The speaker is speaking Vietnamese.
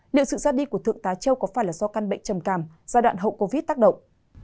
liệu sự ra đi của thượng tá châu có phải là do căn bệnh trầm cảm giai đoạn hậu covid tác động